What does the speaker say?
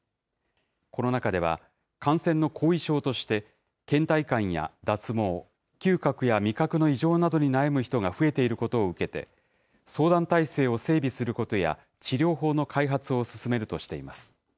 この中では、感染の後遺症として、けん怠感や脱毛、嗅覚や味覚の異常などに悩む人が増えていることを受けて、相談体制を整備することや、治療法の開発を進めるとしています。